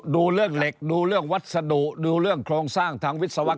ดูเรื่องเหล็กดูเรื่องวัสดุดูเรื่องโครงสร้างทางวิศว